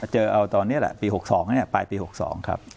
เจอเอาตอนนี้แหละปี๖๒ปลายปี๖๒ครับ